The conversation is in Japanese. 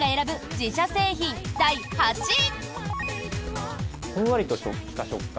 自社製品第８位。